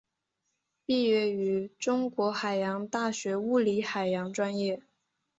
毕业于中国海洋大学物理海洋专业。